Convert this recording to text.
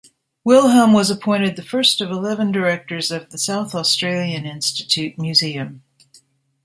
Wilhelm was appointed the first of eleven Directors of the South Australian Institute Museum.